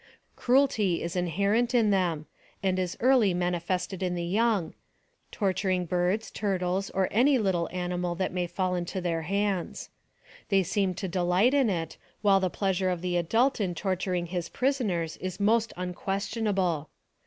Cruelty is inherent in them, and is early manifested in the young, torturing birds, turtles, or any little ani mal that may fall into their hands. They seem to delight in it, while the pleasure of the adult in tortur ing his prisoners is most unquestionable.